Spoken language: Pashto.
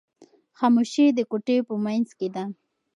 خاموشي د کوټې په منځ کې ده.